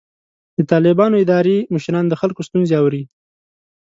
د طالبانو اداري مشران د خلکو ستونزې اوري.